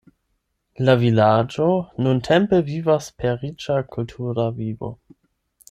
La vilaĝo nuntempe vivas per riĉa kultura vivo.